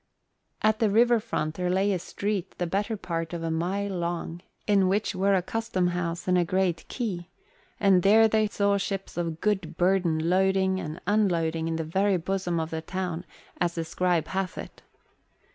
At the river front there lay a street the better part of a mile long, in which were the custom house and a great quay, and there they saw ships of good burden loading and unloading in the very bosom of the town, as the scribe hath it.